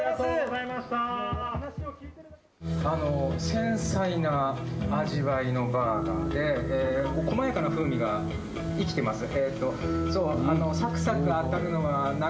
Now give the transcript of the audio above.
繊細な味わいのバーガーで、細やかな風味が生きています。